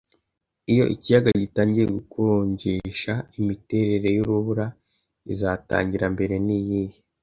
Iyo ikiyaga gitangiye gukonjesha imiterere yurubura izatangira mbere niyihe